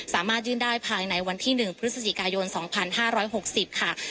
สามารถยื่นได้ภายในวันที่๑พฤศจิกายน๒๕๖๐ค่ะ